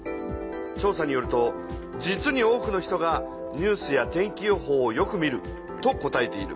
調さによると実に多くの人がニュースや天気予報をよく見ると答えている。